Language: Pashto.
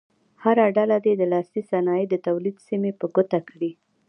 هره ډله دې د لاسي صنایعو د تولید سیمې په ګوته کړي.